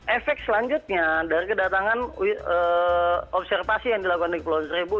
efek selanjutnya dari kedatangan observasi yang dilakukan di kepulauan seribu